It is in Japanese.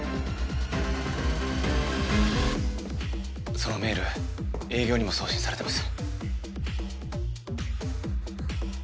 そのメール営業にも送信されてます。